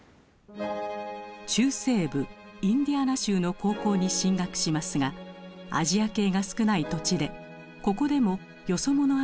中西部インディアナ州の高校に進学しますがアジア系が少ない土地でここでもよそ者扱いをされました。